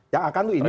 yang akan tuh ini